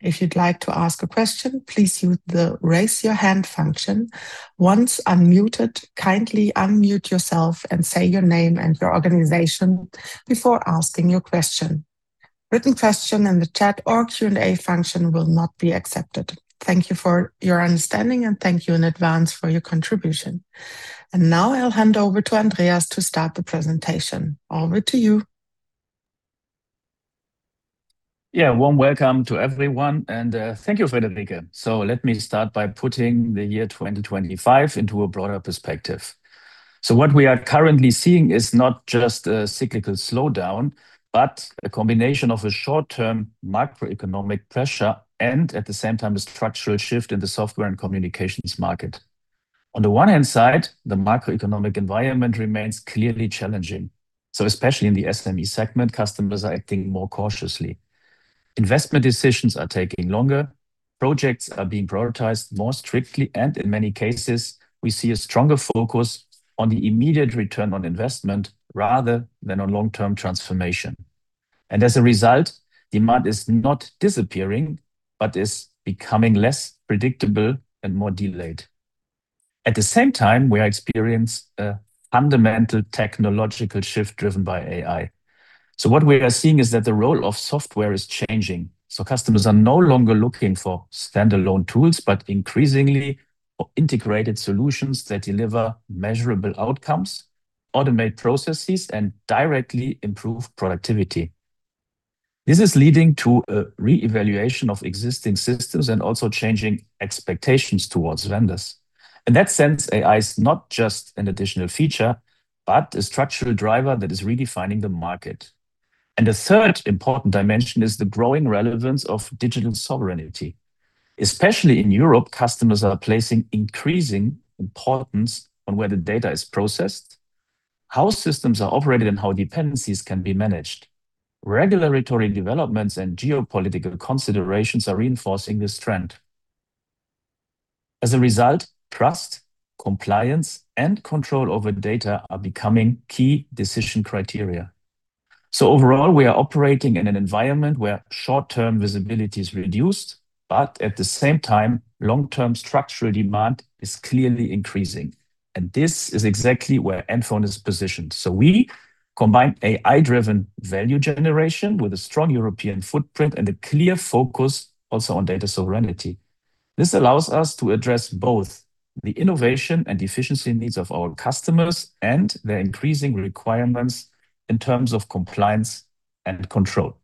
If you'd like to ask a question, please use the Raise Your Hand function. Once unmuted, kindly unmute yourself and say your name and your organization before asking your question. Written question in the chat or Q&A function will not be accepted. Thank you for your understanding, and thank you in advance for your contribution. Now I'll hand over to Andreas to start the presentation. Over to you. Yeah. Warm welcome to everyone, and thank you, Friederike. Let me start by putting the year 2025 into a broader perspective. What we are currently seeing is not just a cyclical slowdown, but a combination of a short-term macroeconomic pressure and, at the same time, a structural shift in the software and communications market. On the one hand side, the macroeconomic environment remains clearly challenging, so especially in the SME segment, customers are acting more cautiously. Investment decisions are taking longer, projects are being prioritized more strictly, and in many cases, we see a stronger focus on the immediate return on investment rather than on long-term transformation. As a result, demand is not disappearing but is becoming less predictable and more delayed. At the same time, we are experiencing a fundamental technological shift driven by AI. What we are seeing is that the role of software is changing. Customers are no longer looking for standalone tools, but increasingly integrated solutions that deliver measurable outcomes, automate processes, and directly improve productivity. This is leading to a reevaluation of existing systems and also changing expectations towards vendors. In that sense, AI is not just an additional feature, but a structural driver that is redefining the market. The third important dimension is the growing relevance of digital sovereignty. Especially in Europe, customers are placing increasing importance on where the data is processed, how systems are operated, and how dependencies can be managed. Regulatory developments and geopolitical considerations are reinforcing this trend. As a result, trust, compliance, and control over data are becoming key decision criteria. Overall, we are operating in an environment where short-term visibility is reduced, but at the same time, long-term structural demand is clearly increasing, and this is exactly where NFON is positioned. We combine AI-driven value generation with a strong European footprint and a clear focus also on data sovereignty. This allows us to address both the innovation and efficiency needs of our customers and their increasing requirements in terms of compliance and control.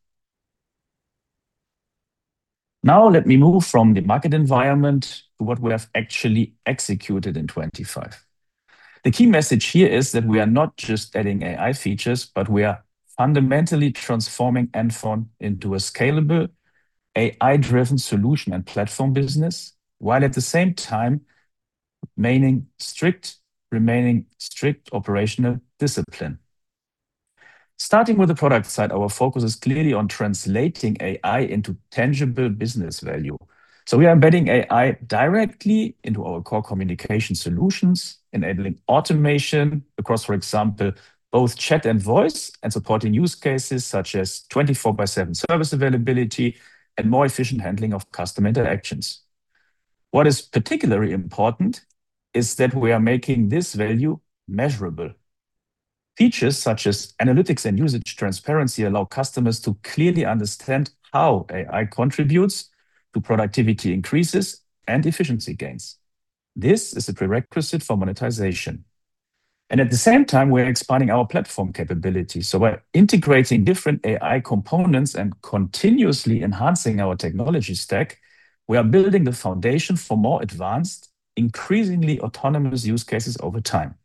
Now let me move from the market environment to what we have actually executed in 2025. The key message here is that we are not just adding AI features, but we are fundamentally transforming NFON into a scalable AI-driven solution and platform business, while at the same time remaining strict operational discipline. Starting with the product side, our focus is clearly on translating AI into tangible business value. We are embedding AI directly into our core communication solutions, enabling automation across, for example, both chat and voice, and supporting use cases such as 24/7 service availability and more efficient handling of customer interactions. What is particularly important is that we are making this value measurable. Features such as analytics and usage transparency allow customers to clearly understand how AI contributes to productivity increases and efficiency gains. This is a prerequisite for monetization. At the same time, we're expanding our platform capability, so we're integrating different AI components and continuously enhancing our technology stack. We are building the foundation for more advanced, increasingly autonomous use cases over time.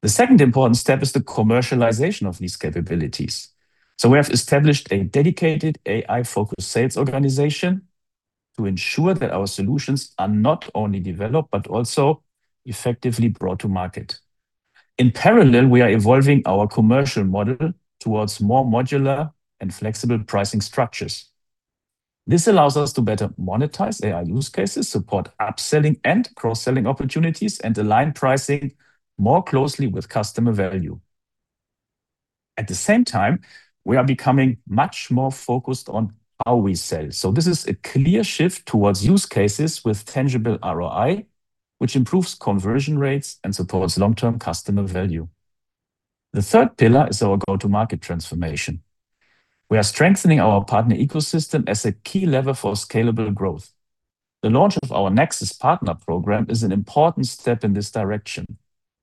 The second important step is the commercialization of these capabilities. We have established a dedicated AI-focused sales organization to ensure that our solutions are not only developed but also effectively brought to market. In parallel, we are evolving our commercial model towards more modular and flexible pricing structures. This allows us to better monetize AI use cases, support upselling and cross-selling opportunities, and align pricing more closely with customer value. At the same time, we are becoming much more focused on how we sell. This is a clear shift towards use cases with tangible ROI, which improves conversion rates and supports long-term customer value. The third pillar is our go-to-market transformation. We are strengthening our partner ecosystem as a key lever for scalable growth. The launch of our NEXUS partner programme is an important step in this direction,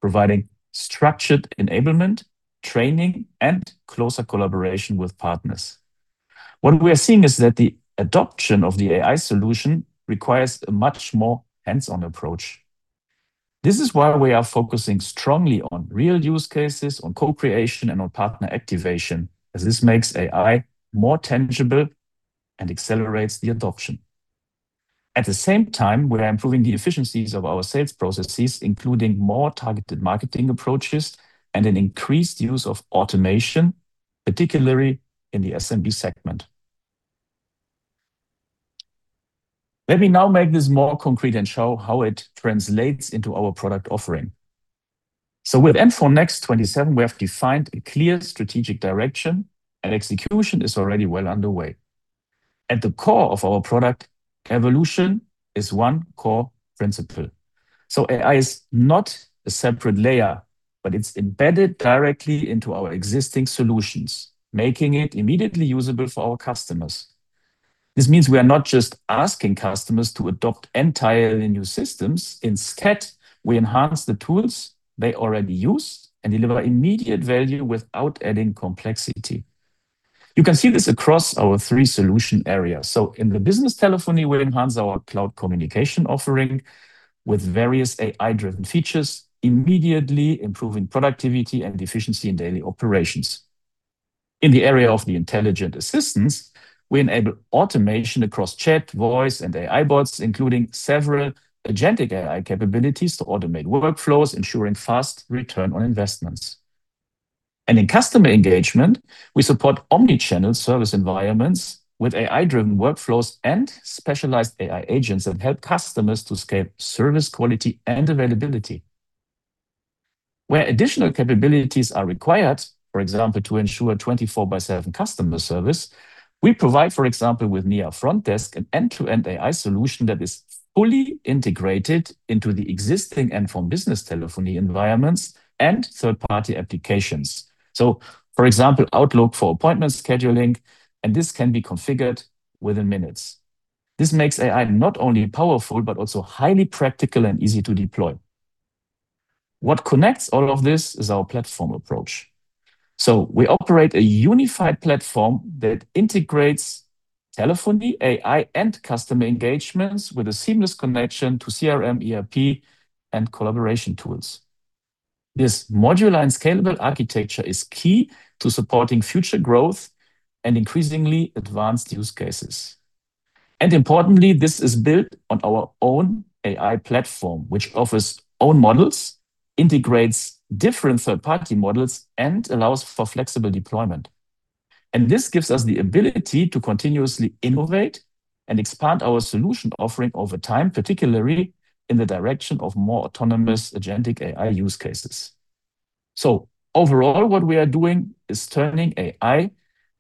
providing structured enablement, training, and closer collaboration with partners. What we are seeing is that the adoption of the AI solution requires a much more hands-on approach. This is why we are focusing strongly on real use cases, on co-creation, and on partner activation, as this makes AI more tangible and accelerates the adoption. At the same time, we are improving the efficiencies of our sales processes, including more targeted marketing approaches and an increased use of automation, particularly in the SMB segment. Let me now make this more concrete and show how it translates into our product offering. With NFON Next 2027, we have defined a clear strategic direction, and execution is already well underway. At the core of our product evolution is one core principle. AI is not a separate layer, but it's embedded directly into our existing solutions, making it immediately usable for our customers. This means we are not just asking customers to adopt entirely new systems. Instead, we enhance the tools they already use and deliver immediate value without adding complexity. You can see this across our three solution areas. In the Business Telephony, we enhance our cloud communication offering with various AI-driven features, immediately improving productivity and efficiency in daily operations. In the area of the Intelligent Assistant, we enable automation across chat, voice, and AI bots, including several agentic AI capabilities to automate workflows, ensuring fast return on investments. In Customer Engagement, we support omni-channel service environments with AI-driven workflows and specialized AI agents that help customers to scale service quality and availability. Where additional capabilities are required, for example, to ensure 24/7 customer service, we provide, for example, with Nia FrontDesk, an end-to-end AI solution that is fully integrated into the existing NFON Business Telephony environments and third-party applications. For example, Outlook for appointment scheduling, and this can be configured within minutes. This makes AI not only powerful but also highly practical and easy to deploy. What connects all of this is our platform approach. We operate a unified platform that integrates Telephony, AI, and Customer Engagements with a seamless connection to CRM, ERP, and collaboration tools. This modular and scalable architecture is key to supporting future growth and increasingly advanced use cases. Importantly, this is built on our own AI platform, which offers own models, integrates different third-party models, and allows for flexible deployment. This gives us the ability to continuously innovate and expand our solution offering over time, particularly in the direction of more autonomous agentic AI use cases. Overall, what we are doing is turning AI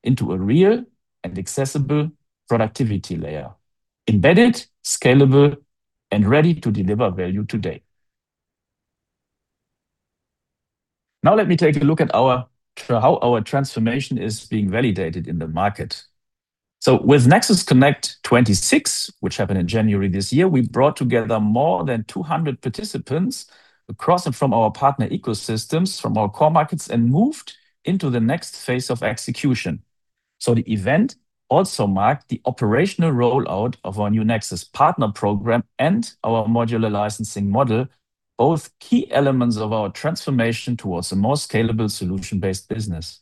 into a real and accessible productivity layer, embedded, scalable, and ready to deliver value today. Now let me take a look at how our transformation is being validated in the market. With NEXUS CONNECT 2026, which happened in January this year, we brought together more than 200 participants across and from our partner ecosystems, from our core markets, and moved into the next phase of execution. The event also marked the operational rollout of our new NEXUS partner programme and our modular licensing model, both key elements of our transformation towards a more scalable solution-based business.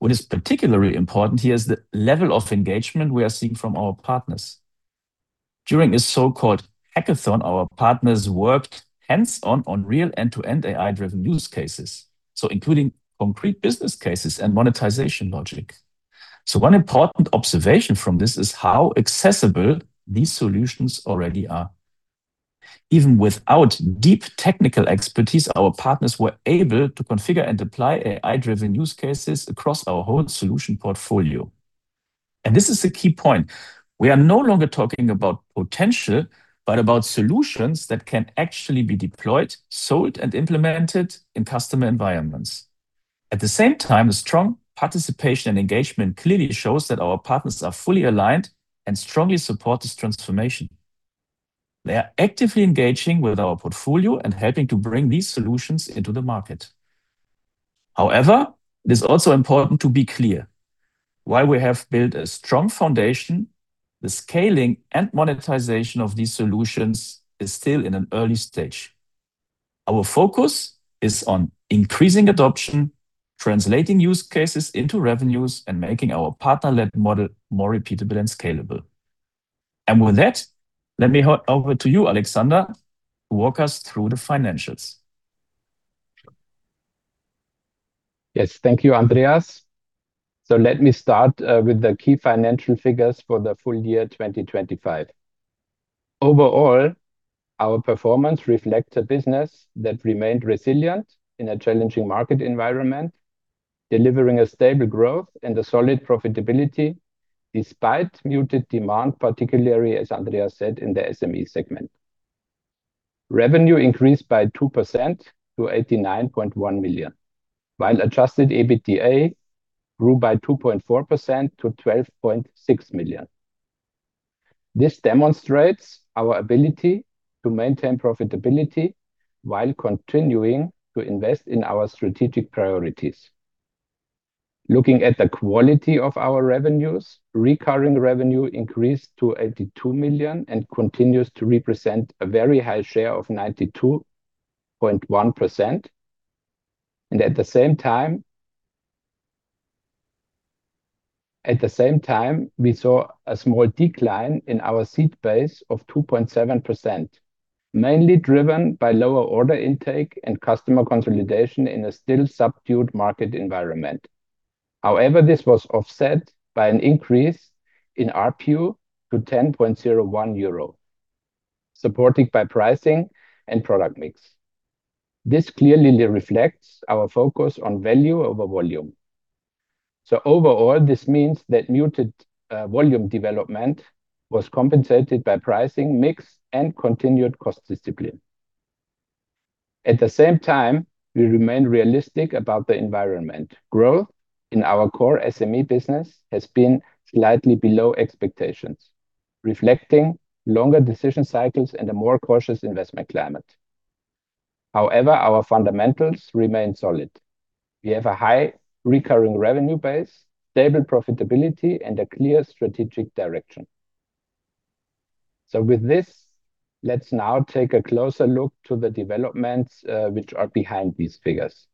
What is particularly important here is the level of engagement we are seeing from our partners. During a so-called hackathon, our partners worked hands-on on real end-to-end AI-driven use cases, so including concrete business cases and monetization logic. One important observation from this is how accessible these solutions already are. Even without deep technical expertise, our partners were able to configure and apply AI-driven use cases across our whole solution portfolio. This is a key point. We are no longer talking about potential, but about solutions that can actually be deployed, sold, and implemented in customer environments. At the same time, the strong participation and engagement clearly shows that our partners are fully aligned and strongly support this transformation. They are actively engaging with our portfolio and helping to bring these solutions into the market. However, it is also important to be clear. While we have built a strong foundation, the scaling and monetization of these solutions is still in an early stage. Our focus is on increasing adoption, translating use cases into revenues, and making our partner-led model more repeatable and scalable. With that, let me hand over to you, Alexander, to walk us through the financials. Yes, thank you, Andreas. Let me start with the key financial figures for the full year 2025. Overall, our performance reflects a business that remained resilient in a challenging market environment, delivering a stable growth and a solid profitability despite muted demand, particularly, as Andreas said, in the SME segment. Revenue increased by 2% to 89.1 million, while Adjusted EBITDA grew by 2.4% to 12.6 million. This demonstrates our ability to maintain profitability while continuing to invest in our strategic priorities. Looking at the quality of our revenues, recurring revenue increased to 82 million and continues to represent a very high share of 92.1%. At the same time, we saw a small decline in our seat base of 2.7%, mainly driven by lower order intake and customer consolidation in a still subdued market environment. However, this was offset by an increase in ARPU to 10.01 euro, supported by pricing and product mix. This clearly reflects our focus on value over volume. Overall, this means that muted volume development was compensated by pricing, mix, and continued cost discipline. At the same time, we remain realistic about the environment. Growth in our core SME business has been slightly below expectations, reflecting longer decision cycles and a more cautious investment climate. However, our fundamentals remain solid. We have a high recurring revenue base, stable profitability, and a clear strategic direction. With this, let's now take a closer look at the developments which are behind these figures.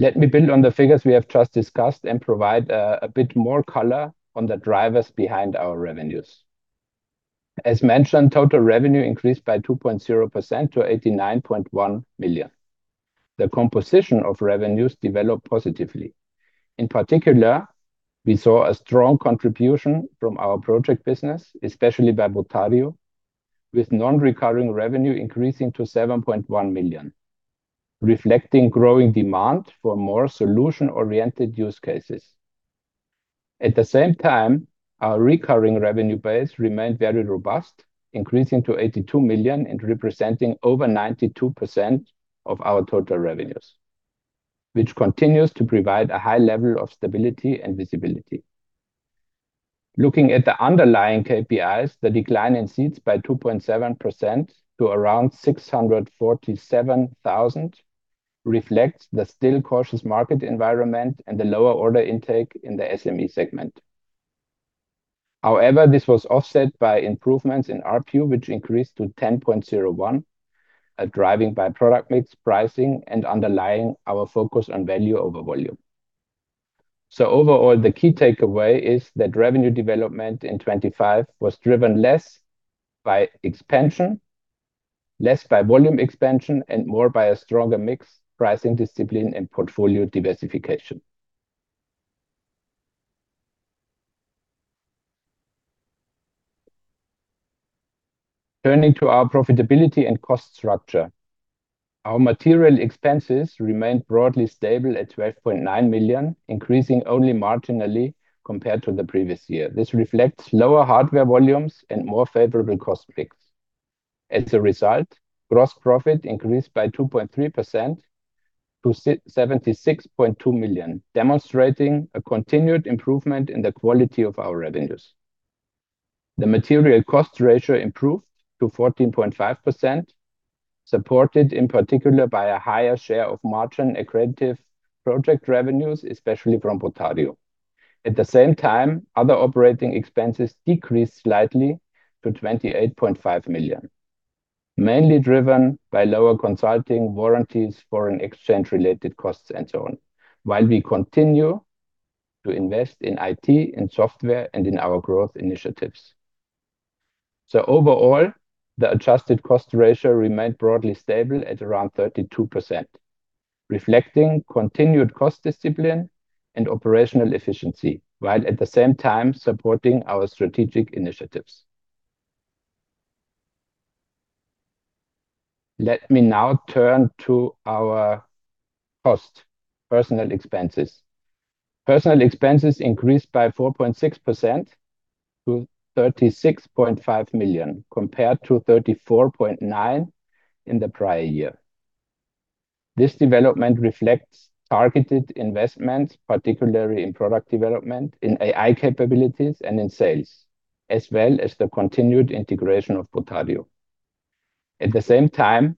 Let me build on the figures we have just discussed and provide a bit more color on the drivers behind our revenues. As mentioned, total revenue increased by 2.0% to 89.1 million. The composition of revenues developed positively. In particular, we saw a strong contribution from our project business, especially by botario, with non-recurring revenue increasing to 7.1 million, reflecting growing demand for more solution-oriented use cases. At the same time, our recurring revenue base remained very robust, increasing to 82 million and representing over 92% of our total revenues, which continues to provide a high level of stability and visibility. Looking at the underlying KPIs, the decline in seats by 2.7% to around 647,000 reflects the still cautious market environment and the lower order intake in the SME segment. However, this was offset by improvements in ARPU, which increased to 10.01, a driving by product mix pricing and underlining our focus on value over volume. Overall, the key takeaway is that revenue development in 2025 was driven less by volume expansion and more by a stronger mix pricing discipline and portfolio diversification. Turning to our profitability and cost structure. Our material expenses remained broadly stable at 12.9 million, increasing only marginally compared to the previous year. This reflects lower hardware volumes and more favorable cost mix. As a result, gross profit increased by 2.3% to 76.2 million, demonstrating a continued improvement in the quality of our revenues. The material cost ratio improved to 14.5%, supported in particular by a higher share of margin accretive project revenues, especially from botario. At the same time, other operating expenses decreased slightly to 28.5 million, mainly driven by lower consulting warranties, foreign exchange-related costs, and so on, while we continue to invest in IT, in software, and in our growth initiatives. Overall, the adjusted cost ratio remained broadly stable at around 32%, reflecting continued cost discipline and operational efficiency, while at the same time supporting our strategic initiatives. Let me now turn to our costs, personnel expenses. Personnel expenses increased by 4.6% to 36.5 million, compared to 34.9 million in the prior year. This development reflects targeted investments, particularly in product development, in AI capabilities, and in sales, as well as the continued integration of botario. At the same time,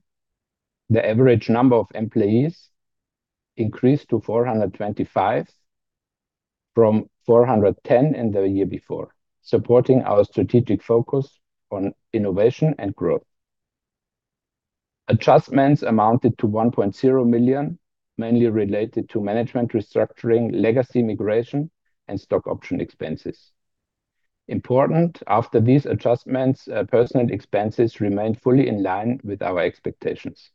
the average number of employees increased to 425 from 410 in the year before, supporting our strategic focus on innovation and growth. Adjustments amounted to 1.0 million, mainly related to management restructuring, legacy migration, and stock option expenses. Important, after these adjustments, personnel expenses remained fully in line with our expectations.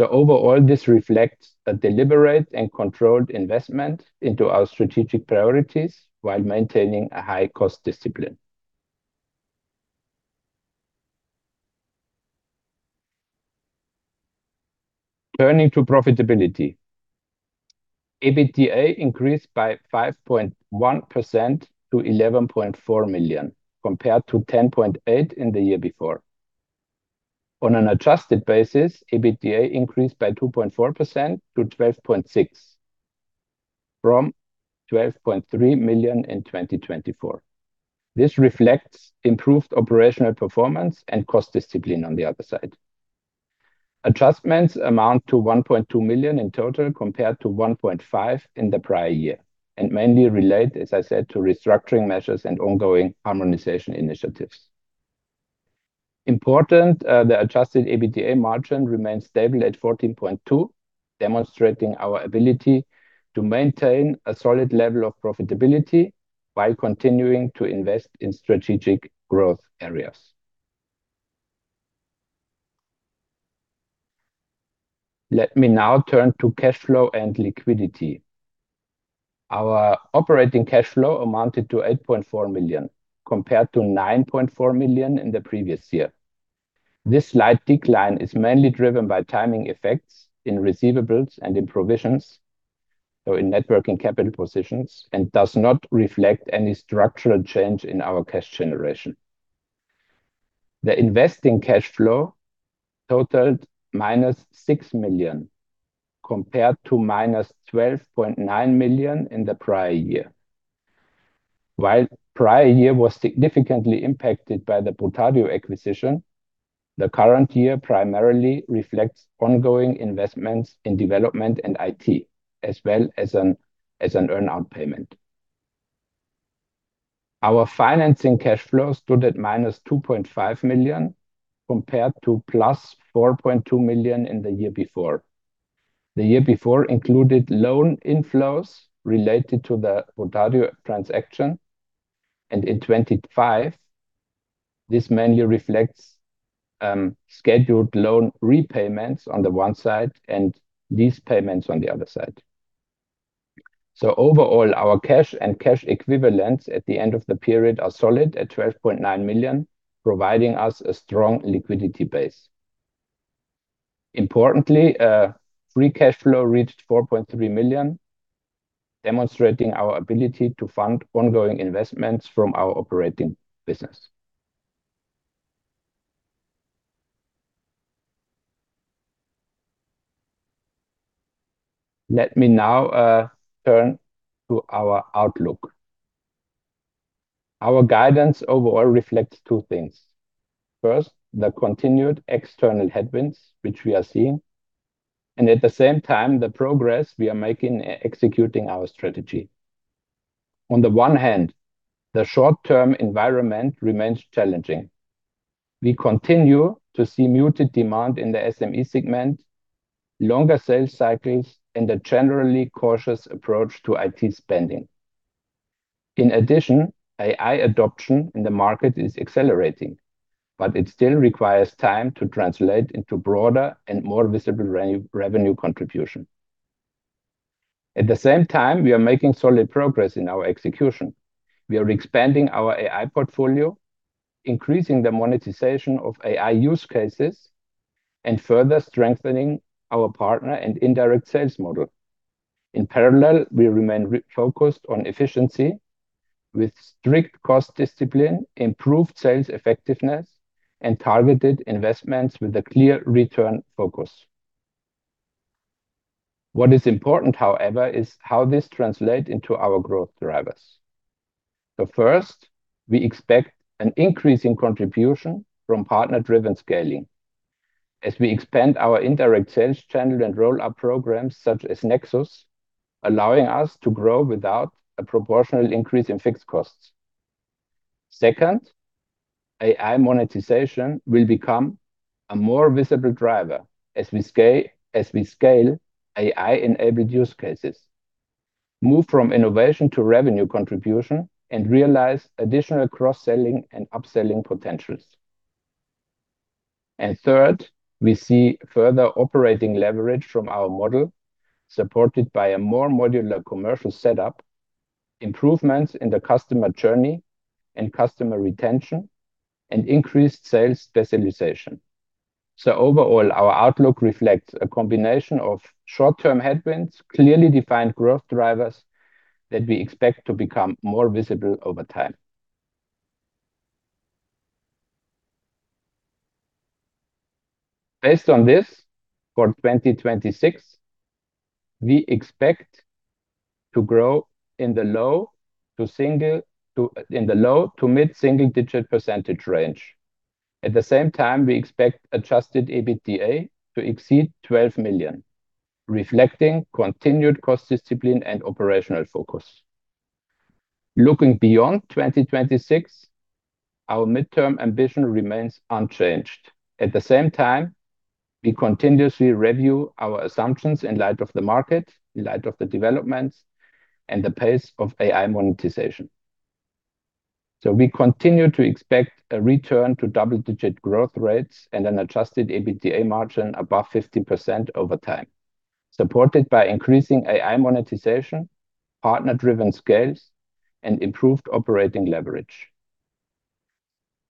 Overall, this reflects a deliberate and controlled investment into our strategic priorities while maintaining a high-cost discipline. Turning to profitability. EBITDA increased by 5.1% to 11.4 million, compared to 10.8 million in the year before. On an adjusted basis, EBITDA increased by 2.4% to 12.6 million from 12.3 million in 2024. This reflects improved operational performance and cost discipline on the other side. Adjustments amount to 1.2 million in total, compared to 1.5 million in the prior year, and mainly relate, as I said, to restructuring measures and ongoing harmonization initiatives. Importantly, the Adjusted EBITDA margin remains stable at 14.2%, demonstrating our ability to maintain a solid level of profitability while continuing to invest in strategic growth areas. Let me now turn to cash flow and liquidity. Our operating cash flow amounted to 8.4 million, compared to 9.4 million in the previous year. This slight decline is mainly driven by timing effects in receivables and in provisions, so in net working capital positions, and does not reflect any structural change in our cash generation. The investing cash flow totaled −6 million, compared to −12.9 million in the prior year. While prior year was significantly impacted by the botario acquisition, the current year primarily reflects ongoing investments in development and IT, as well as an earn-out payment. Our financing cash flow stood at −2.5 million, compared to +4.2 million in the year before. The year before included loan inflows related to the botario transaction, and in 2025, this mainly reflects scheduled loan repayments on the one side and lease payments on the other side. Overall, our cash and cash equivalents at the end of the period are solid at 12.9 million, providing us a strong liquidity base. Importantly, free cash flow reached 4.3 million, demonstrating our ability to fund ongoing investments from our operating business. Let me now turn to our outlook. Our guidance overall reflects two things. First, the continued external headwinds, which we are seeing, and at the same time, the progress we are making executing our strategy. On the one hand, the short-term environment remains challenging. We continue to see muted demand in the SME segment, longer sales cycles, and a generally cautious approach to IT spending. In addition, AI adoption in the market is accelerating, but it still requires time to translate into broader and more visible revenue contribution. At the same time, we are making solid progress in our execution. We are expanding our AI portfolio, increasing the monetization of AI use cases, and further strengthening our partner and indirect sales model. In parallel, we remain focused on efficiency with strict cost discipline, improved sales effectiveness, and targeted investments with a clear return focus. What is important, however, is how this translate into our growth drivers. First, we expect an increase in contribution from partner-driven scaling as we expand our indirect sales channel and roll-out programs such as NEXUS, allowing us to grow without a proportional increase in fixed costs. Second, AI monetization will become a more visible driver as we scale AI-enabled use cases, move from innovation to revenue contribution, and realize additional cross-selling and upselling potentials. Third, we see further operating leverage from our model supported by a more modular commercial setup, improvements in the customer journey and customer retention, and increased sales specialization. Overall, our outlook reflects a combination of short-term headwinds, clearly defined growth drivers that we expect to become more visible over time. Based on this, for 2026, we expect to grow in the low- to mid-single-digit percentage range. At the same time, we expect Adjusted EBITDA to exceed 12 million, reflecting continued cost discipline and operational focus. Looking beyond 2026, our midterm ambition remains unchanged. At the same time, we continuously review our assumptions in light of the market, in light of the developments, and the pace of AI monetization. We continue to expect a return to double-digit growth rates and an Adjusted EBITDA margin above 50% over time, supported by increasing AI monetization, partner-driven scales, and improved operating leverage.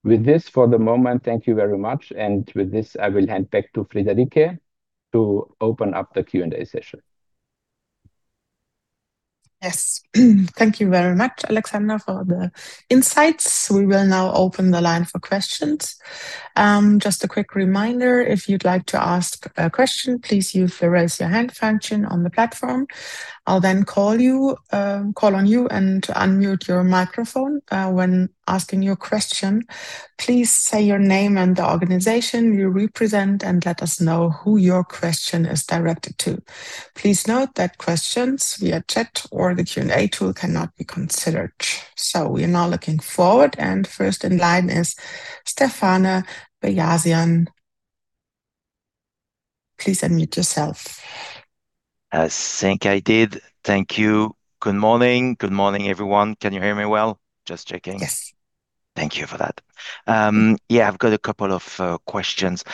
With this, for the moment, thank you very much. With this, I will hand back to Friederike to open up the Q&A session. Yes. Thank you very much, Alexander, for the insights. We will now open the line for questions. Just a quick reminder, if you'd like to ask a question, please use the raise your hand function on the platform. I'll then call on you and unmute your microphone. When asking your question, please say your name and the organization you represent and let us know who your question is directed to. Please note that questions via chat or the Q&A tool cannot be considered. We are now looking forward, and first in line is Stephane Beyazian. Please unmute yourself. I think I did. Thank you. Good morning. Good morning, everyone. Can you hear me well? Just checking. Yes. Thank you for that. Yeah, I've got a couple of questions.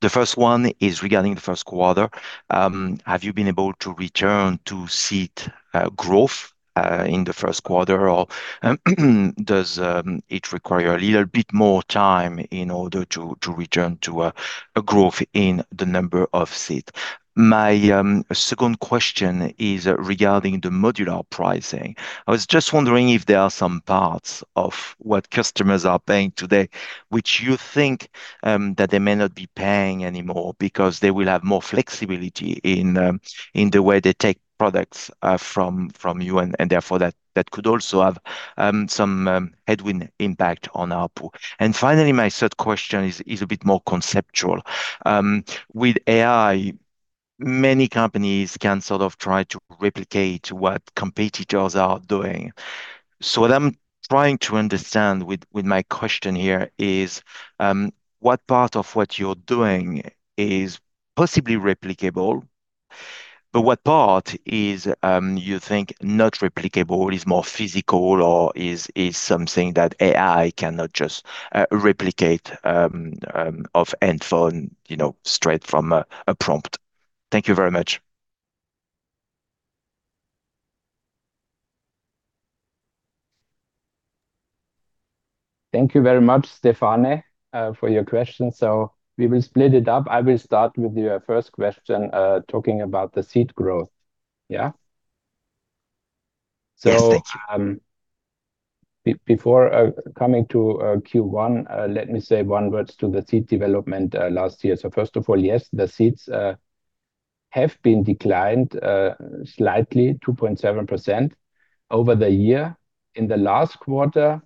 The first one is regarding the first quarter. Have you been able to return to seat growth in the first quarter, or does it require a little bit more time in order to return to a growth in the number of seats? My second question is regarding the modular pricing. I was just wondering if there are some parts of what customers are paying today, which you think that they may not be paying anymore because they will have more flexibility in the way they take products from you, and therefore that could also have some headwind impact on output. Finally, my third question is a bit more conceptual. With AI, many companies can sort of try to replicate what competitors are doing. What I'm trying to understand with my question here is what part of what you're doing is possibly replicable, but what part is you think not replicable, is more physical, or is something that AI cannot just replicate off handphone straight from a prompt? Thank you very much. Thank you very much, Stephane, for your question. We will split it up. I will start with your first question, talking about the seat growth. Yeah? Yes. Thank you. Before coming to Q1, let me say one word to the seat development last year. First of all, yes, the seats have been declined slightly, 2.7% over the year. In the last quarter,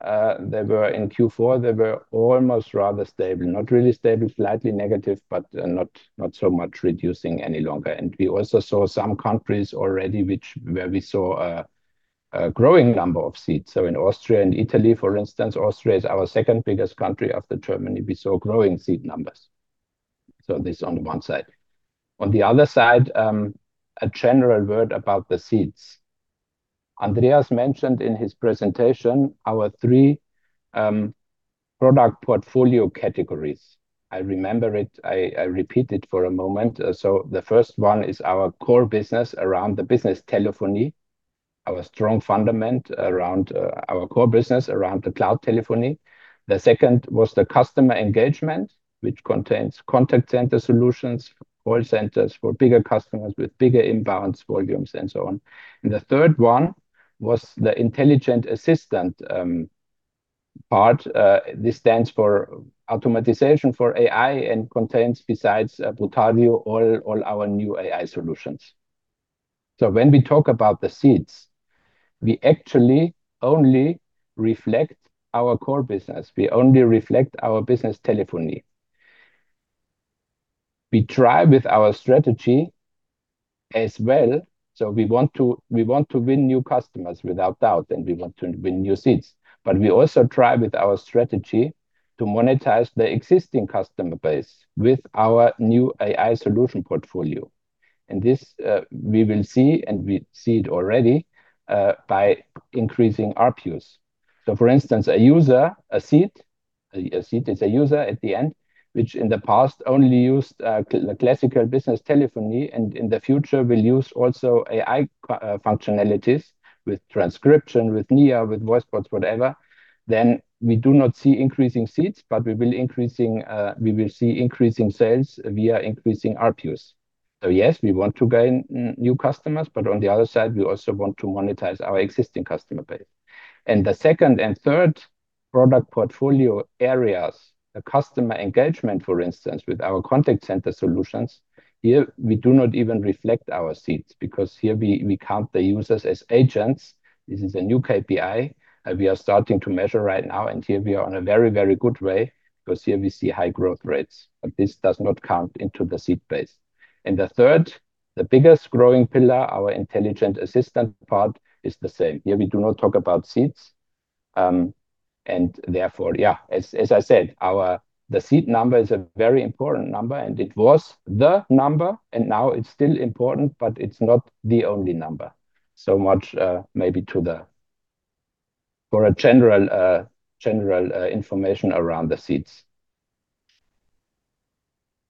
in Q4, they were almost rather stable. Not really stable, slightly negative, but not so much reducing any longer. We also saw some countries already where we saw a growing number of seats. In Austria and Italy, for instance, Austria is our second biggest country after Germany, we saw growing seat numbers. This is on the one side. On the other side, a general word about the seats. Andreas mentioned in his presentation our three product portfolio categories. I remember it. I repeat it for a moment. The first one is our core business around the Business Telephony, our strong fundament around our core business around the cloud telephony. The second was the Customer Engagement, which contains contact center solutions, call centers for bigger customers with bigger inbound volumes and so on. The third one was the Intelligent Assistant part. This stands for automation for AI and contains, besides botario, all our new AI solutions. When we talk about the seats, we actually only reflect our core business. We only reflect our Business Telephony. We try with our strategy as well, so we want to win new customers, without doubt, and we want to win new seats. We also try with our strategy to monetize the existing customer base with our new AI solution portfolio. This we will see, and we see it already, by increasing ARPUs. For instance, a user, a seat is a user at the end, which in the past only used classical business telephony and in the future will use also AI functionalities with transcription, with Nia, with voice bots, whatever. We do not see increasing seats, but we will see increasing sales via increasing ARPUs. Yes, we want to gain new customers, but on the other side, we also want to monetize our existing customer base. The second and third product portfolio areas, the Customer Engagement, for instance, with our contact center solutions, here we do not even reflect our seats because here we count the users as agents. This is a new KPI we are starting to measure right now, and here we are on a very good way because here we see high growth rates. This does not count into the seat base. The third, the biggest growing pillar, our Intelligent Assistant part, is the same. Here we do not talk about seats, and therefore, yeah, as I said, the seat number is a very important number, and it was the number, and now it's still important, but it's not the only number. Much maybe for a general information around the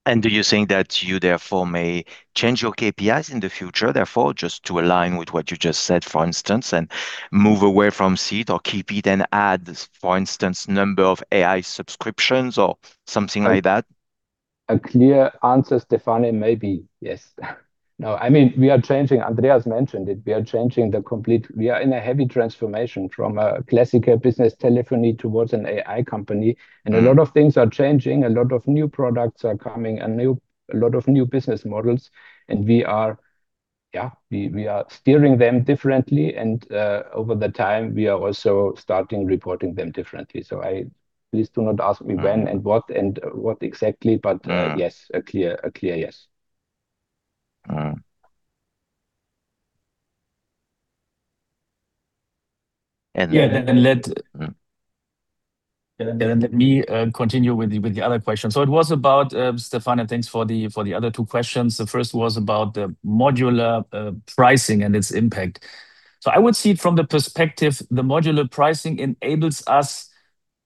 seats. Do you think that you therefore may change your KPIs in the future, therefore, just to align with what you just said, for instance, and move away from seat or keep it and add, for instance, number of AI subscriptions or something like that? A clear answer, Stephane, maybe yes. No, we are changing. Andreas mentioned it. We are in a heavy transformation from a classical business telephony towards an AI company. A lot of things are changing. A lot of new products are coming, a lot of new business models, and we are steering them differently. Over the time, we are also starting reporting them differently. Please do not ask me when and what exactly, but yes, a clear yes. All right. Yeah. Let me continue with the other question. It was about, Stefan, and thanks for the other two questions. The first was about the modular pricing and its impact. I would see it from the perspective the modular pricing enables us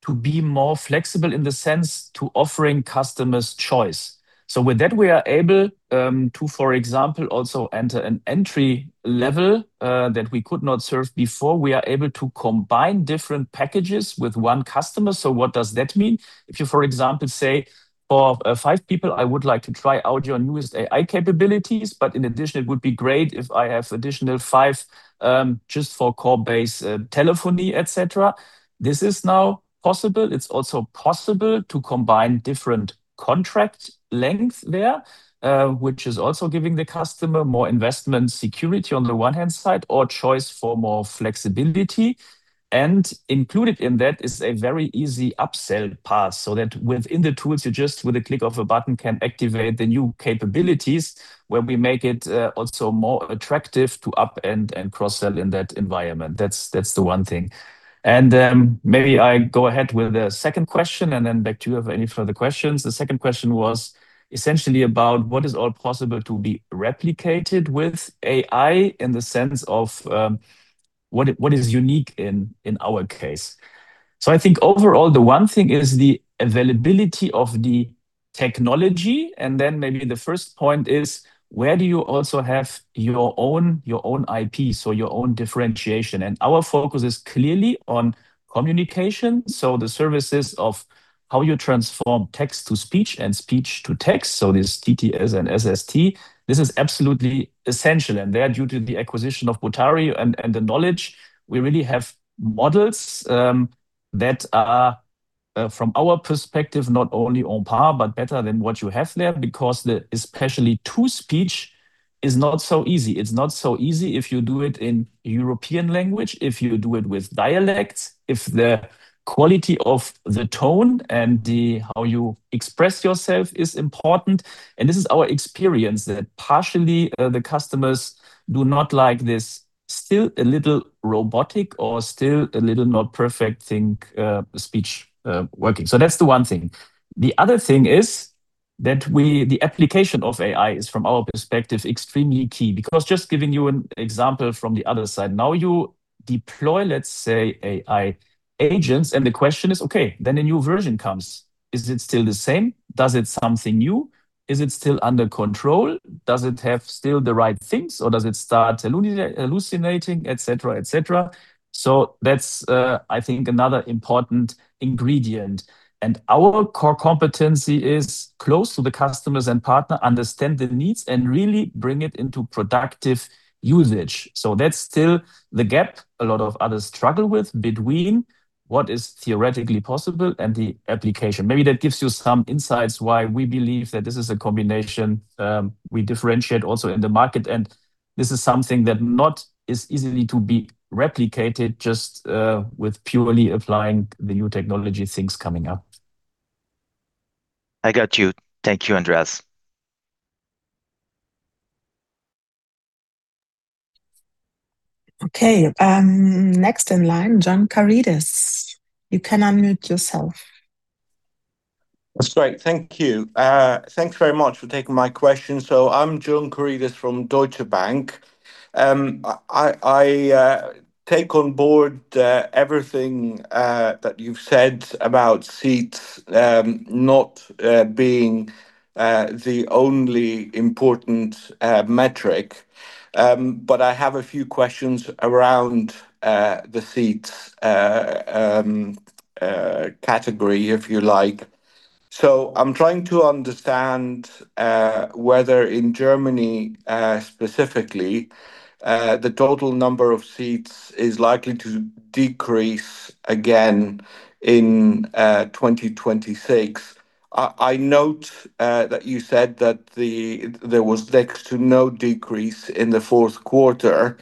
to be more flexible in the sense to offering customers choice. With that, we are able to, for example, also enter an entry level that we could not serve before. We are able to combine different packages with one customer. What does that mean? If you, for example, say, "For five people, I would like to try out your newest AI capabilities, but in addition, it would be great if I have additional five just for core base telephony, et cetera." This is now possible. It's also possible to combine different contract lengths there, which is also giving the customer more investment security on the one hand side, or choice for more flexibility, and included in that is a very easy upsell path so that within the tools, you just with a click of a button can activate the new capabilities where we make it also more attractive to upsell and cross-sell in that environment. That's the one thing. Maybe I go ahead with the second question, and then back to you for any further questions. The second question was essentially about what is all possible to be replicated with AI in the sense of what is unique in our case. I think overall, the one thing is the availability of the technology, and then maybe the first point is where do you also have your own IP, so your own differentiation? Our focus is clearly on communication. The services of how you transform text to speech and speech to text. This TTS and STT, this is absolutely essential, and there due to the acquisition of botario and the knowledge, we really have models that are from our perspective, not only on par, but better than what you have there because especially to speech is not so easy. It's not so easy if you do it in European language, if you do it with dialects, if the quality of the tone and how you express yourself is important. This is our experience that partially the customers do not like this still a little robotic or still a little not perfect speech working. That's the one thing. The other thing is that the application of AI is from our perspective extremely key because just giving you an example from the other side. Now you deploy, let's say AI agents and the question is, okay, then a new version comes. Is it still the same? Does it do something new? Is it still under control? Does it still have the right things or does it start hallucinating? Et cetera. That's I think another important ingredient. Our core competency is close to the customers and partners, to understand the needs and really bring it into productive usage. That's still the gap a lot of others struggle with between what is theoretically possible and the application. Maybe that gives you some insights why we believe that this is a combination we differentiate also in the market, and this is something that not is easily to be replicated just with purely applying the new technology things coming up. I got you. Thank you, Andreas. Okay, next in line, John Karidis. You can unmute yourself. That's great. Thank you. Thanks very much for taking my question. I'm John Karidis from Deutsche Bank. I take on board everything that you've said about seats not being the only important metric. I have a few questions around the seats category, if you like. I'm trying to understand whether in Germany specifically the total number of seats is likely to decrease again in 2026. I note that you said that there was next to no decrease in the fourth quarter.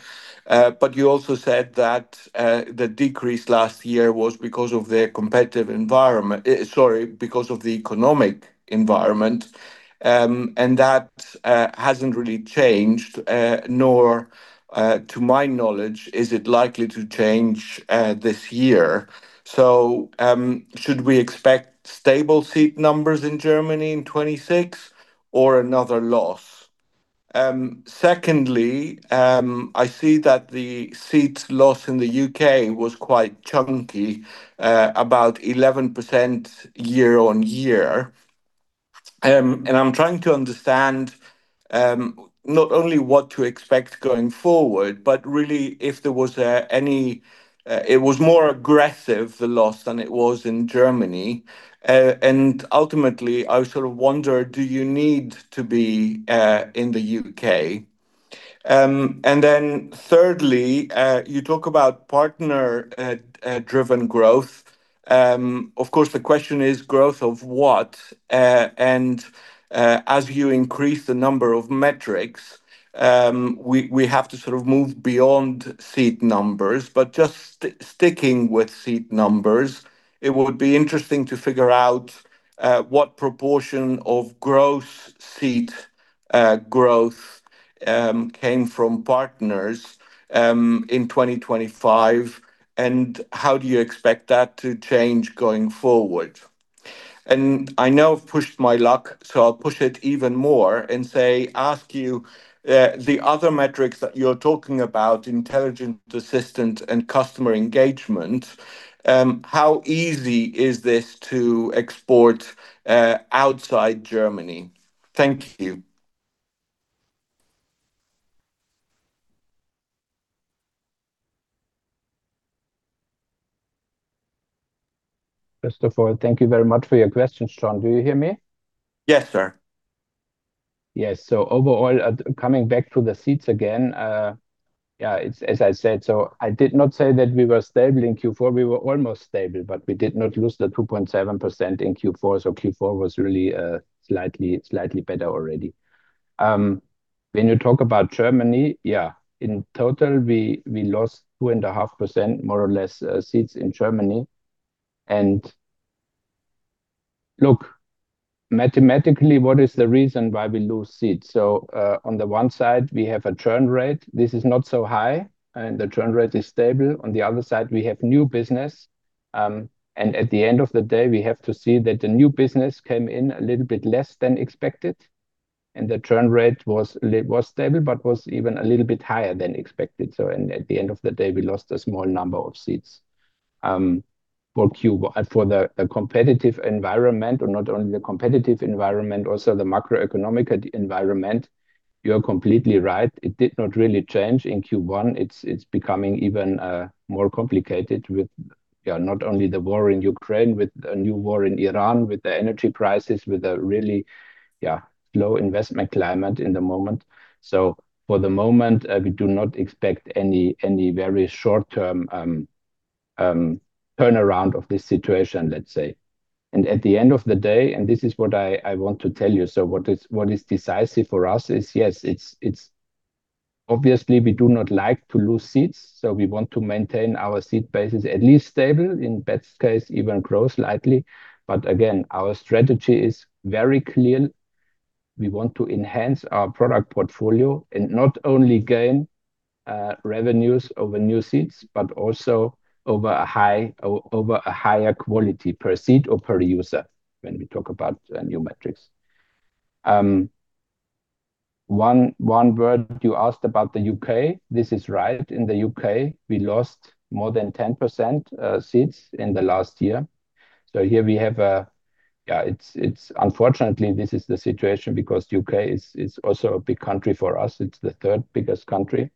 You also said that the decrease last year was because of the competitive environment. Sorry, because of the economic environment. That hasn't really changed nor to my knowledge is it likely to change this year. Should we expect stable seat numbers in Germany in 2026 or another loss? Secondly, I see that the seats loss in the U.K. was quite chunky, about 11% year-on-year. I'm trying to understand not only what to expect going forward, but really if it was more aggressive, the loss, than it was in Germany. Ultimately I sort of wonder do you need to be in the U.K.? Thirdly you talk about partner-driven growth. Of course, the question is growth of what? As you increase the number of metrics we have to sort of move beyond seat numbers, but just sticking with seat numbers it would be interesting to figure out what proportion of gross seat growth came from partners in 2025, and how do you expect that to change going forward? I know I've pushed my luck, so I'll push it even more and, say, ask you the other metrics that you're talking about, Intelligent Assistant and Customer Engagement, how easy is this to export outside Germany? Thank you. First of all, thank you very much for your question, John. Do you hear me? Yes, sir. Yes. Overall, coming back to the seats again, as I said, so I did not say that we were stable in Q4. We were almost stable, but we did not lose the 2.7% in Q4, so Q4 was really slightly better already. When you talk about Germany, yeah, in total, we lost 2.5%, more or less, seats in Germany. Look, mathematically, what is the reason why we lose seats? On the one side we have a churn rate. This is not so high, and the churn rate is stable. On the other side, we have new business, and at the end of the day, we have to see that the new business came in a little bit less than expected, and the churn rate was stable, but was even a little bit higher than expected. At the end of the day, we lost a small number of seats. For the competitive environment or not only the competitive environment, also the macroeconomic environment, you're completely right. It did not really change in Q1. It's becoming even more complicated with not only the war in Ukraine, with a new war in Iran, with the energy prices, with the really low investment climate in the moment. For the moment, we do not expect any very short-term turnaround of this situation, let's say. At the end of the day, and this is what I want to tell you, so what is decisive for us is yes, it's obviously we do not like to lose seats, so we want to maintain our seat bases at least stable, in best case, even grow slightly. Again, our strategy is very clear. We want to enhance our product portfolio and not only gain revenues over new seats, but also over a higher quality per seat or per user when we talk about new metrics. One word you asked about the U.K. This is right. In the U.K., we lost more than 10% seats in the last year. Here we have, unfortunately, this is the situation because U.K. is also a big country for us. It's the third biggest country.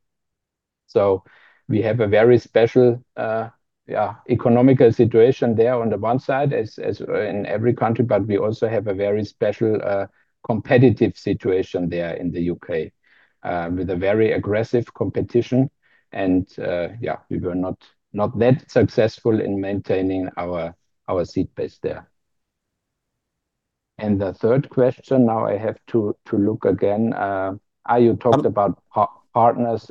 We have a very special economic situation there on the one side as in every country, but we also have a very special competitive situation there in the U.K. with a very aggressive competition. We were not that successful in maintaining our seat base there. The third question now I have to look again. You talked about partners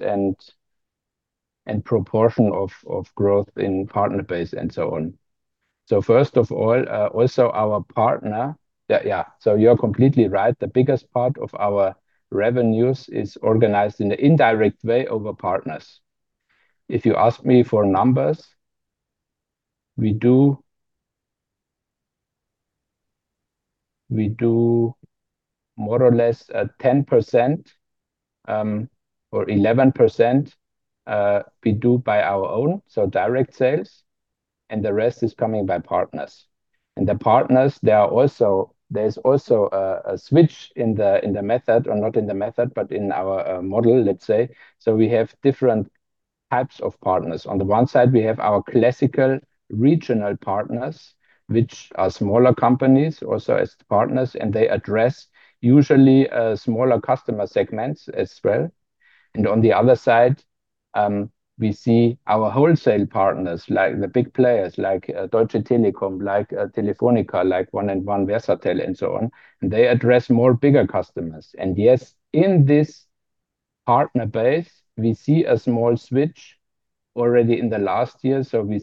and proportion of growth in partner base and so on. First of all, also our partner, yeah, so you're completely right. The biggest part of our revenues is organized in an indirect way over partners. If you ask me for numbers, we do more or less at 10% or 11%, we do by our own, so direct sales, and the rest is coming by partners. The partners, there's also a switch in the method, or not in the method, but in our model, let's say. We have different types of partners. On the one side, we have our classical regional partners, which are smaller companies also as partners, and they address usually smaller customer segments as well. On the other side, we see our wholesale partners, like the big players like Deutsche Telekom, like Telefónica, like 1&1 Versatel and so on, and they address more bigger customers. Yes, in this partner base, we see a small switch already in the last year. We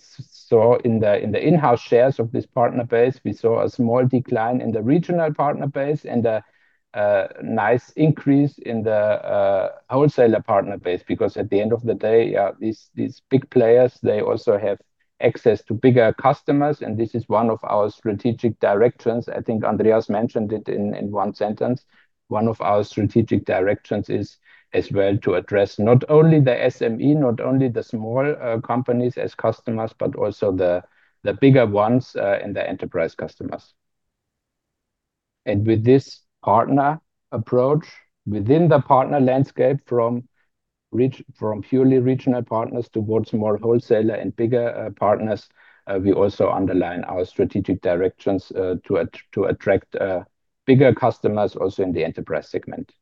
saw in the in-house shares of this partner base, we saw a small decline in the regional partner base and a nice increase in the wholesaler partner base because at the end of the day, these big players, they also have access to bigger customers, and this is one of our strategic directions. I think Andreas mentioned it in one sentence. One of our strategic directions is as well to address not only the SME, not only the small companies as customers, but also the bigger ones and the enterprise customers. With this partner approach within the partner landscape from purely regional partners towards more wholesaler and bigger partners, we also underline our strategic directions to attract bigger customers also in the enterprise segment.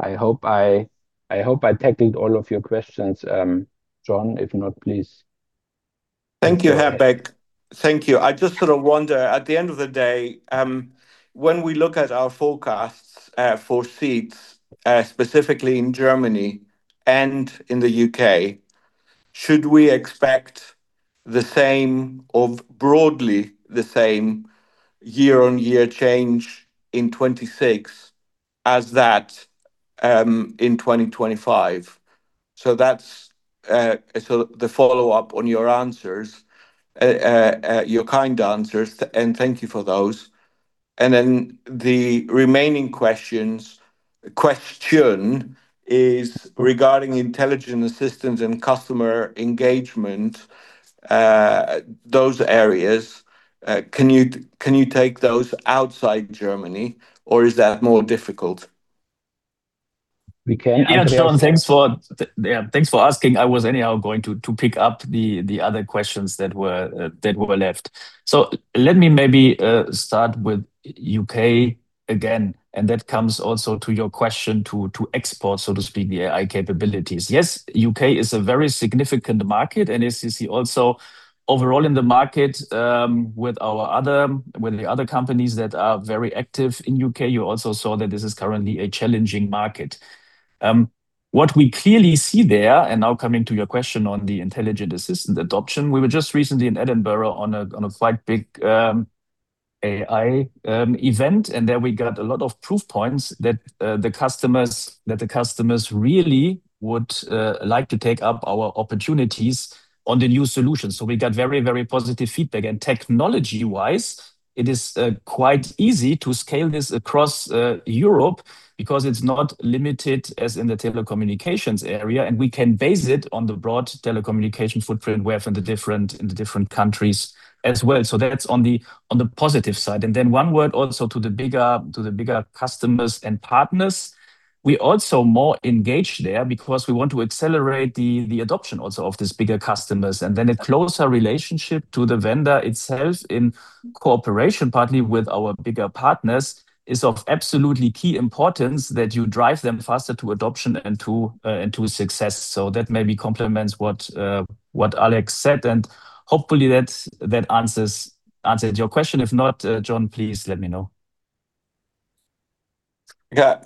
I hope I tackled all of your questions, John. If not, please. Thank you, Beck. Thank you. I just sort of wonder, at the end of the day, when we look at our forecasts for seats, specifically in Germany and in the U.K. Should we expect the same, or broadly the same year-on-year change in 2026 as that in 2025? That's the follow-up on your kind answers, and thank you for those. The remaining question is regarding Intelligent Assistant and Customer Engagement, those areas. Can you take those outside Germany or is that more difficult? We can- Yeah, John, thanks for asking. I was anyhow going to pick up the other questions that were left. Let me maybe start with U.K. again, and that comes also to your question to export, so to speak, the AI capabilities. Yes, U.K. is a very significant market and you see also overall in the market, with the other companies that are very active in U.K., you also saw that this is currently a challenging market. What we clearly see there, and now coming to your question on the Intelligent Assistant adoption, we were just recently in Edinburgh on a quite big AI event, and there we got a lot of proof points that the customers really would like to take up our opportunities on the new solutions. We got very, very positive feedback. Technology-wise, it is quite easy to scale this across Europe because it's not limited as in the telecommunications area, and we can base it on the broad telecommunications footprint we have in the different countries as well. That's on the positive side. Then one word also to the bigger customers and partners. We are also more engaged there because we want to accelerate the adoption also of these bigger customers. Then a closer relationship to the vendor itself in cooperation partly with our bigger partners is of absolutely key importance that you drive them faster to adoption and to success. That maybe complements what Alex said and hopefully that answers your question. If not, John, please let me know. Yeah.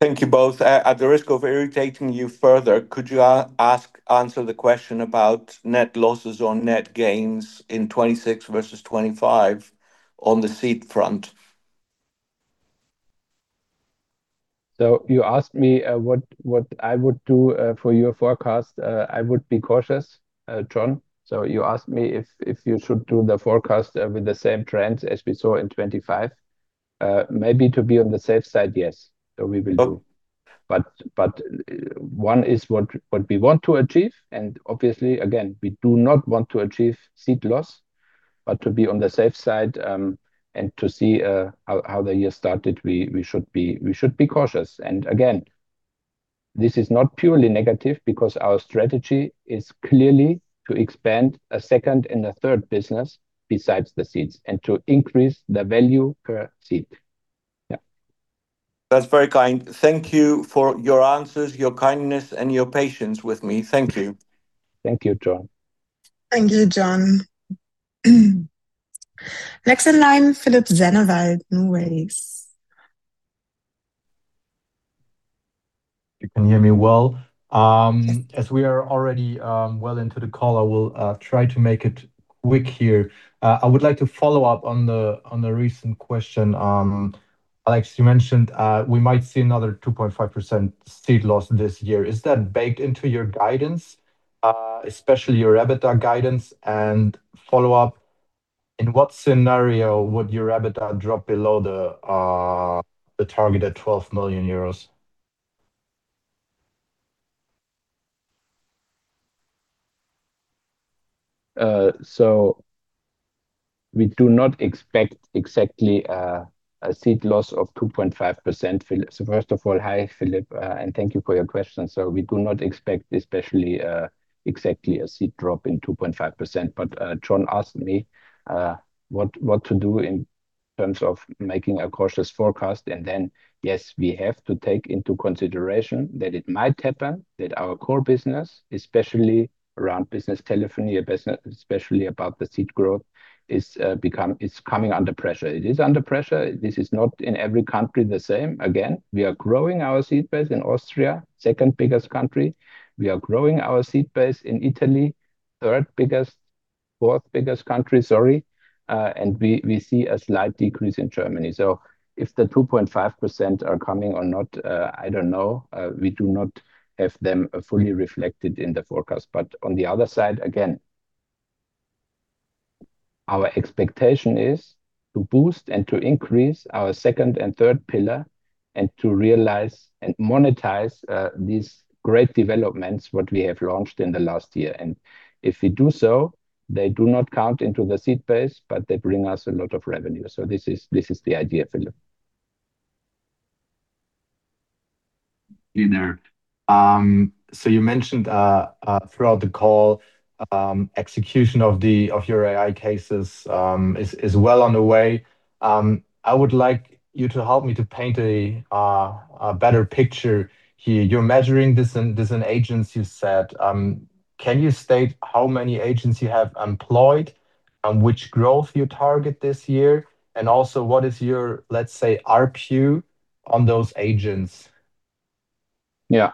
Thank you both. At the risk of irritating you further, could you answer the question about net losses or net gains in 2026 versus 2025 on the seat front? You asked me what I would do for your forecast. I would be cautious, John. You asked me if you should do the forecast with the same trends as we saw in 2025. Maybe to be on the safe side, yes, we will do. But one is what we want to achieve. Obviously, again, we do not want to achieve seat loss. To be on the safe side, and to see how the year started, we should be cautious. Again, this is not purely negative because our strategy is clearly to expand a second and a third business besides the seats, and to increase the value per seat. Yeah. That's very kind. Thank you for your answers, your kindness, and your patience with me. Thank you. Thank you, John. Thank you, John. Next in line, Philipp Sennewald, NuWays. You can hear me well. As we are already well into the call, I will try to make it quick here. I would like to follow up on the recent question. Alex, you mentioned we might see another 2.5% seat loss this year. Is that baked into your guidance, especially your EBITDA guidance? Follow-up, in what scenario would your EBITDA drop below the target at EUR 12 million? We do not expect exactly a seat loss of 2.5%, Philipp. First of all, hi, Philipp, and thank you for your question. We do not expect especially exactly a seat drop in 2.5%, but John asked me what to do in terms of making a cautious forecast. Then, yes, we have to take into consideration that it might happen that our core business, especially around Business Telephony, especially about the seat growth is coming under pressure. It is under pressure. This is not in every country the same. Again, we are growing our seat base in Austria, second biggest country. We are growing our seat base in Italy, fourth biggest country. We see a slight decrease in Germany. If the 2.5% are coming or not, I don't know. We do not have them fully reflected in the forecast. On the other side, again, our expectation is to boost and to increase our second and third pillar and to realize and monetize these great developments, what we have launched in the last year. If we do so, they do not count into the seat base, but they bring us a lot of revenue. This is the idea, Philipp. You mentioned, throughout the call, execution of your AI cases is well on the way. I would like you to help me to paint a better picture here. You're measuring this in agents, you said. Can you state how many agents you have employed? On which growth you target this year, and also what is your, let's say, ARPU on those agents? Yeah.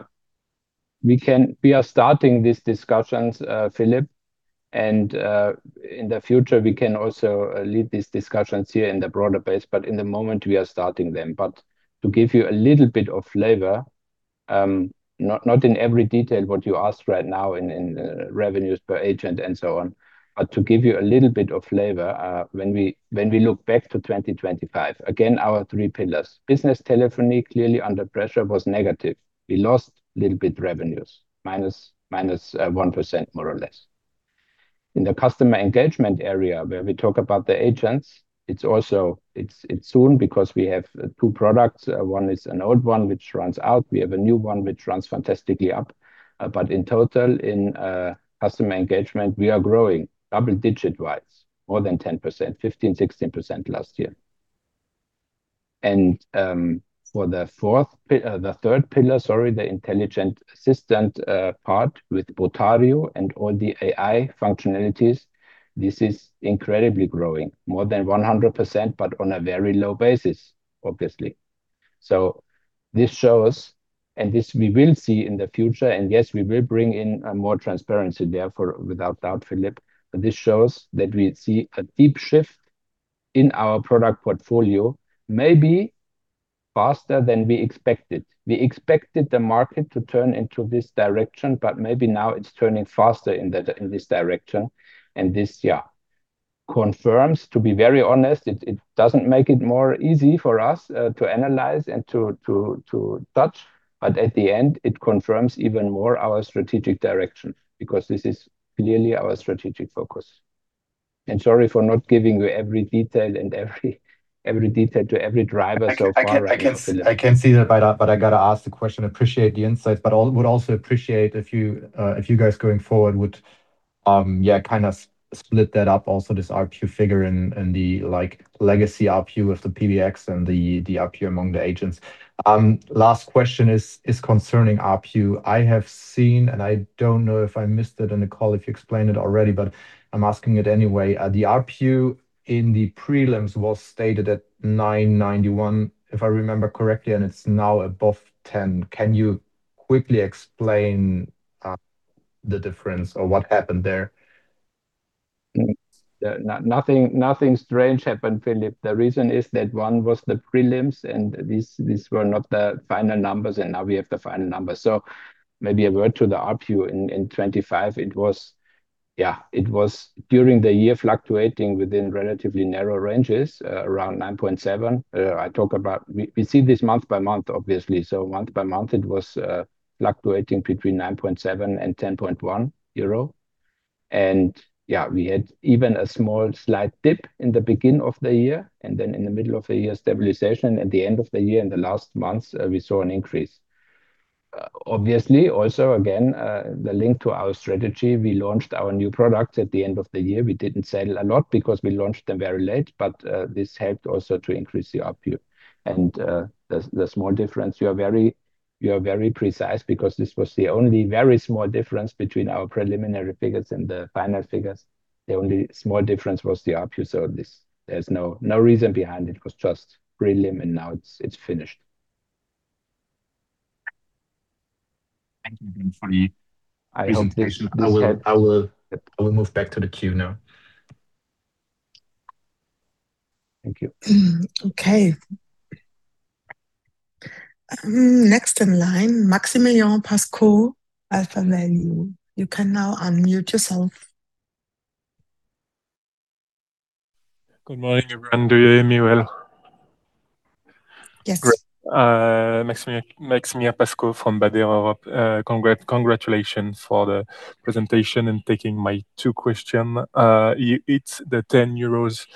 We are starting these discussions, Philipp, and in the future, we can also lead these discussions here in the broader base, but at the moment, we are starting them. To give you a little bit of flavor, not in every detail what you ask right now in revenues per agent and so on, but to give you a little bit of flavor, when we look back to 2025, again, our three pillars. Business Telephony clearly under pressure was negative. We lost a little bit revenues, -1%, more or less. In the Customer Engagement area, where we talk about the agents, it's strong because we have two products. One is an old one, which runs out. We have a new one which ramps fantastically up. In total, in Customer Engagement, we are growing double digit wise, more than 10%, 15%, 16% last year. For the third pillar, the Intelligent Assistant part with botario and all the AI functionalities, this is incredibly growing more than 100%, but on a very low basis, obviously. This shows and this we will see in the future, and yes, we will bring in more transparency therefore, without doubt, Philipp, but this shows that we see a deep shift in our product portfolio maybe faster than we expected. We expected the market to turn into this direction, but maybe now it's turning faster in this direction and this confirms. To be very honest, it doesn't make it more easy for us to analyze and to touch, but at the end, it confirms even more our strategic direction, because this is clearly our strategic focus. Sorry for not giving you every detail to every driver so far. I can see that, but I got to ask the question. Appreciate the insights, but would also appreciate if you guys going forward would split that up also this ARPU figure and the legacy ARPU of the PBX and the ARPU among the agents. Last question is concerning ARPU. I have seen, and I don't know if I missed it in the call, if you explained it already, but I'm asking it anyway. The ARPU in the prelims was stated at 9.91, if I remember correctly, and it's now above 10. Can you quickly explain the difference or what happened there? Nothing strange happened, Philipp. The reason is that one was the prelims, and these were not the final numbers, and now we have the final numbers. Maybe a word to the ARPU in 2025. It was during the year fluctuating within relatively narrow ranges, around 9.7. We see this month by month, obviously. Month by month, it was fluctuating between 9.7 and 10.1 euro. Yeah, we had even a small slight dip in the beginning of the year, and then in the middle of the year, stabilization at the end of the year, in the last month, we saw an increase. Obviously, also, again, the link to our strategy. We launched our new product at the end of the year. We didn't sell a lot because we launched them very late, but this helped also to increase the ARPU and the small difference. You are very precise because this was the only very small difference between our preliminary figures and the final figures. The only small difference was the ARPU, so there's no reason behind it. It was just prelim and now it's finished. Thank you again for the presentation. I will move back to the queue now. Thank you. Okay. Next in line, Maximilien Pascaud, AlphaValue. You can now unmute yourself. Good morning, everyone. Do you hear me well? Yes. Great. Maximilien Pascaud from AlphaValue. Congratulations for the presentation, and taking my two questions. You hit the EUR 10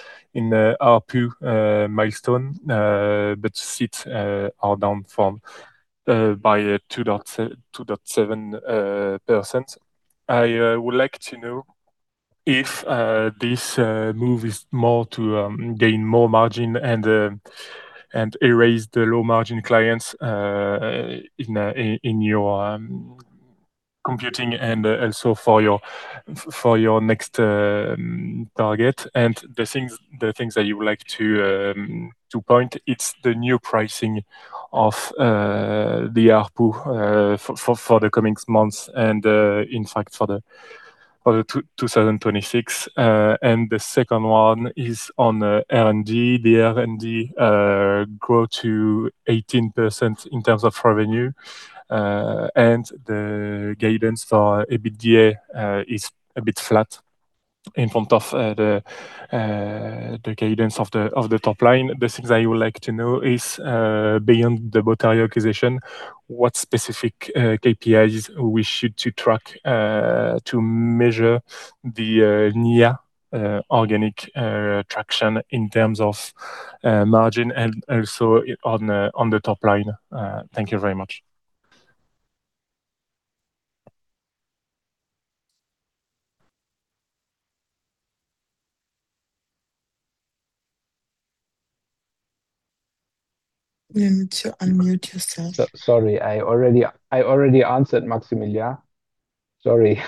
ARPU milestone, but seats are down by 2.7%. I would like to know if this move is more to gain more margin and erase the low margin clients in your computing and also for your next target. The things that you would like to point, it's the new pricing of the ARPU for the coming months and in fact for 2026. The second one is on the R&D. The R&D grew to 18% in terms of revenue. The guidance for EBITDA is a bit flat in front of the guidance of the top line. The things I would like to know is, beyond the botario acquisition, what specific KPIs we should to track to measure the Nia organic traction in terms of margin and also on the top line? Thank you very much. You need to unmute yourself. Sorry, I already answered Maximilien. Sorry.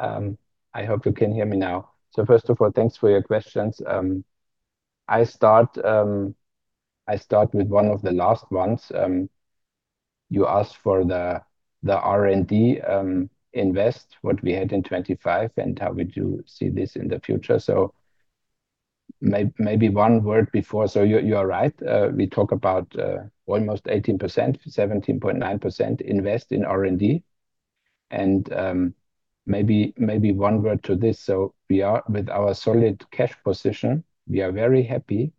I hope you can hear me now. First of all, thanks for your questions. I start with one of the last ones. You asked for the R&D invest, what we had in 2025, and how we do see this in the future. Maybe one word before. You are right, we talk about almost 18%, 17.9% invest in R&D. Maybe one word to this. With our solid cash position, we are very happy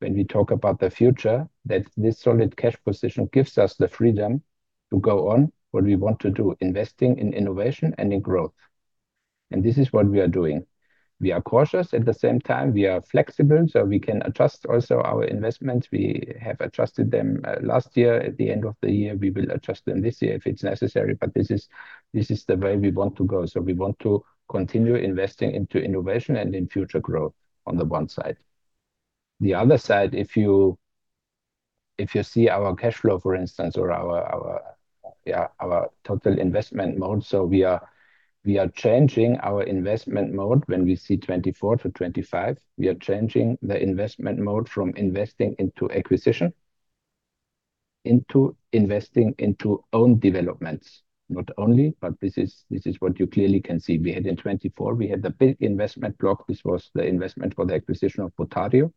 when we talk about the future that this solid cash position gives us the freedom to go on what we want to do, investing in innovation and in growth. This is what we are doing. We are cautious at the same time, we are flexible, so we can adjust also our investments. We have adjusted them last year at the end of the year. We will adjust them this year if it's necessary. This is the way we want to go. We want to continue investing into innovation and in future growth on the one side. The other side, if you see our cash flow, for instance, or our total investment mode. We are changing our investment mode when we see 2024 to 2025. We are changing the investment mode from investing into acquisition, into investing into own developments. Not only, but this is what you clearly can see. We had in 2024 the big investment block. This was the investment for the acquisition of botario.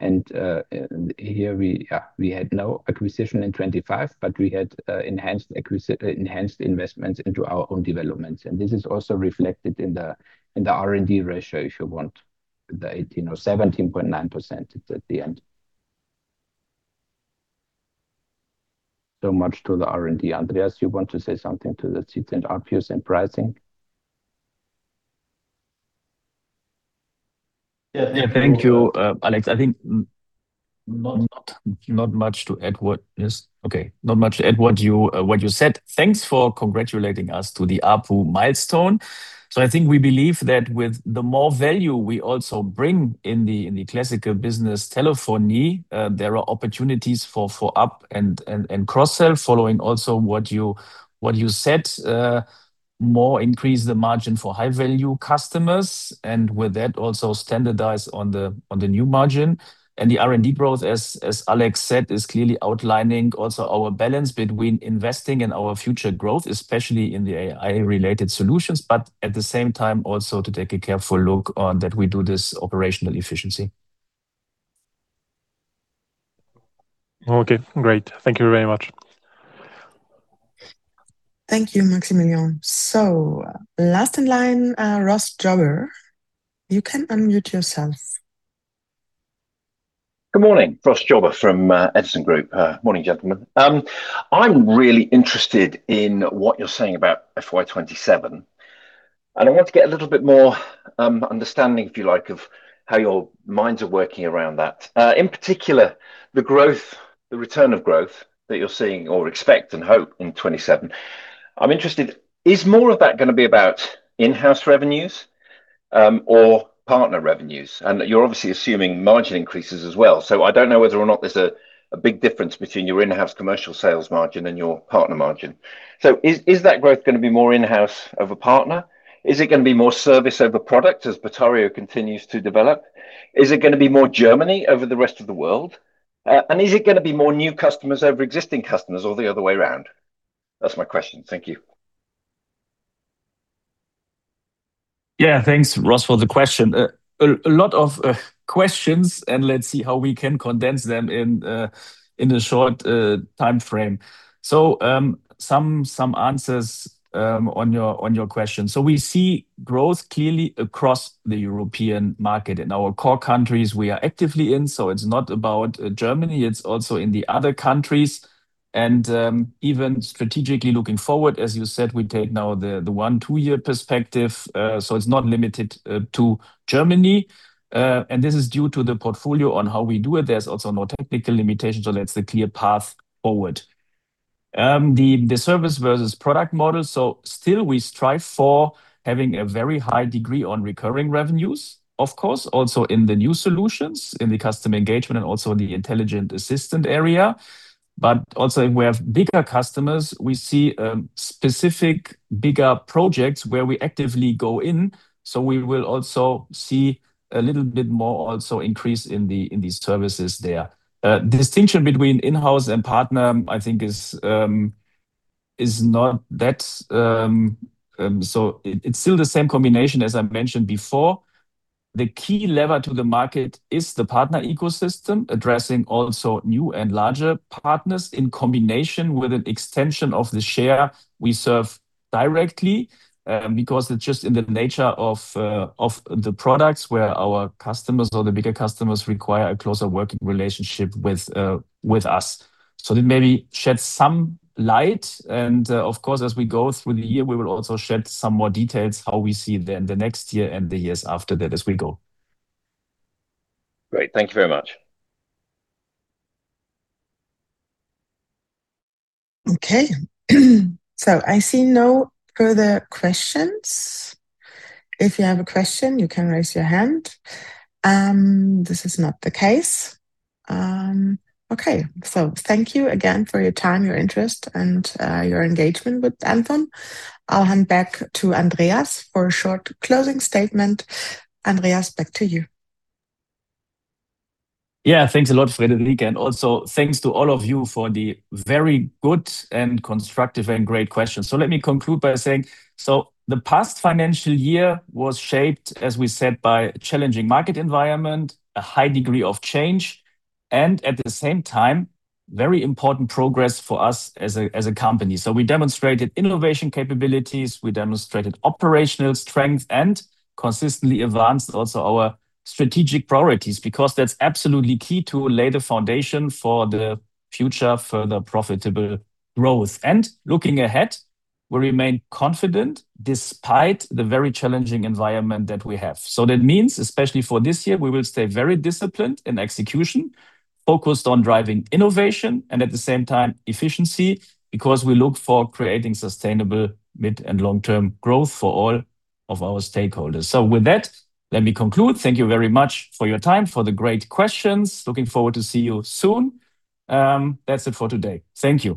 Here we had no acquisition in 2025, but we had enhanced investments into our own developments. This is also reflected in the R&D ratio, if you want, the 18% or 17.9% at the end. Much to the R&D. Andreas, you want to say something to the seats in ARPU and pricing? Yeah. Thank you, Alex. I think not much to add to what you said. Thanks for congratulating us on the ARPU milestone. I think we believe that with the more value we also bring in the classical business telephony, there are opportunities for up and cross-sell following also what you said, more increase the margin for high-value customers. With that also standardize on the new margin. The R&D growth, as Alex said, is clearly outlining also our balance between investing in our future growth, especially in the AI-related solutions. At the same time, also to take a careful look on that we do this operational efficiency. Okay, great. Thank you very much. Thank you, Maximilien. Last in line, Ross Jobber, you can unmute yourself. Good morning. Ross Jobber from Edison Group. Morning, gentlemen. I'm really interested in what you're saying about FY 2027, and I want to get a little bit more understanding, if you like, of how your minds are working around that. In particular, the return of growth that you're seeing or expect and hope in 2027. I'm interested, is more of that gonna be about in-house revenues or partner revenues? You're obviously assuming margin increases as well. I don't know whether or not there's a big difference between your in-house commercial sales margin and your partner margin. Is that growth gonna be more in-house over partner? Is it gonna be more service over product as botario continues to develop? Is it gonna be more Germany over the rest of the world? Is it gonna be more new customers over existing customers or the other way around? That's my question. Thank you. Yeah. Thanks, Ross, for the question. A lot of questions and let's see how we can condense them in a short timeframe. Some answers on your question. We see growth clearly across the European market in our core countries we are actively in. It's not about Germany, it's also in the other countries and even strategically looking forward, as you said, we take now the one/two year perspective. It's not limited to Germany. This is due to the portfolio on how we do it. There's also no technical limitations, so that's the clear path forward. The service versus product model. Still we strive for having a very high degree on recurring revenues, of course, also in the new solutions in the Customer Engagement and also in the Intelligent Assistant area. Also if we have bigger customers, we see specific bigger projects where we actively go in. We will also see a little bit more also increase in these services there. Distinction between in-house and partner, I think is not that. It's still the same combination as I mentioned before. The key lever to the market is the partner ecosystem addressing also new and larger partners in combination with an extension of the share we serve directly. Because it's just in the nature of the products where our customers or the bigger customers require a closer working relationship with us. That may shed some light and, of course, as we go through the year, we will also shed some more details how we see then the next year and the years after that as we go. Great. Thank you very much. Okay. I see no further questions. If you have a question, you can raise your hand. This is not the case. Okay. Thank you again for your time, your interest, and your engagement with NFON. I'll hand back to Andreas for a short closing statement. Andreas, back to you. Yeah. Thanks a lot, Friederike, and also thanks to all of you for the very good and constructive and great questions. Let me conclude by saying, the past financial year was shaped, as we said, by a challenging market environment, a high degree of change, and at the same time, very important progress for us as a company. We demonstrated innovation capabilities, we demonstrated operational strength, and consistently advanced also our strategic priorities because that's absolutely key to lay the foundation for the future, further profitable growth. Looking ahead, we remain confident despite the very challenging environment that we have. That means, especially for this year, we will stay very disciplined in execution, focused on driving innovation and at the same time efficiency because we look for creating sustainable mid and long-term growth for all of our stakeholders. With that, let me conclude. Thank you very much for your time, for the great questions. Looking forward to see you soon. That's it for today. Thank you.